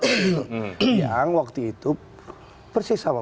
yang waktu itu persis sama